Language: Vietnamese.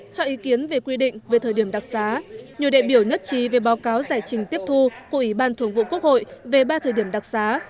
cho ý kiến về quy định về thời điểm đặc xá nhiều đại biểu nhất trí về báo cáo giải trình tiếp thu của ủy ban thường vụ quốc hội về ba thời điểm đặc xá